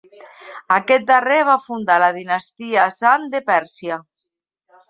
Aquest darrer va fundar la dinastia Zand de Pèrsia.